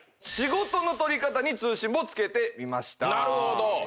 なるほど。